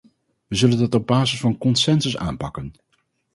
We zullen dat op basis van consensus aanpakken.